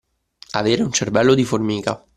Avere un cervello di formica.